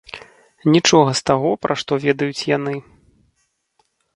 Нічога з таго, пра што ведаюць яны.